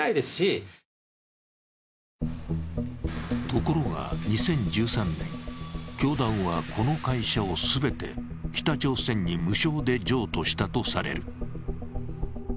ところが２０１３年、教団はこの会社を全て北朝鮮に無償で譲渡したとされる。